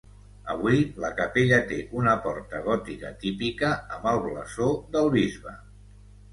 Avui, la capella té una porta gòtica típica amb el blasó del bisbe.